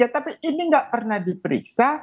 tapi ini nggak pernah diperiksa